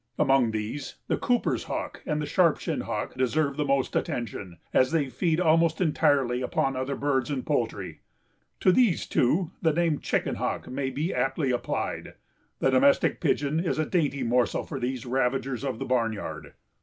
Among these, the Cooper's hawk and the sharp shinned hawk deserve the most attention, as they feed almost entirely upon other birds and poultry. To these two the name chicken hawk may be aptly applied. The domestic pigeon is a dainty morsel for these ravagers of the barnyard.